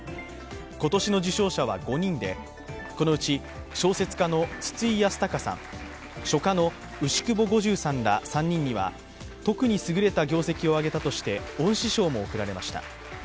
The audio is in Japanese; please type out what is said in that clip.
今年の受賞者は５人で、このうち、小説家の筒井康隆さん、書家の牛窪梧十さんら３人には、特に優れた業績を挙げたとして恩賜賞も贈られました。